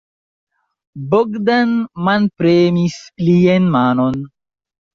Bogdan manpremis lian manon.